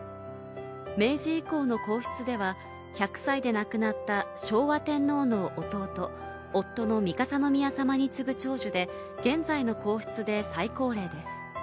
明治以降の皇室では１００歳で亡くなった昭和天皇の弟、夫の三笠宮さまに続く長寿で、現在の皇室で最高齢です。